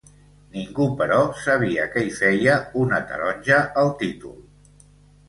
Ningú, però, sabia què hi feia una taronja al títol.